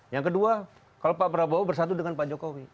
yang kedua kalau pak prabowo bersatu dengan pak jokowi